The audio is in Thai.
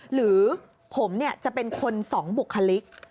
หรือผมจะเป็นคนสองบุคลิก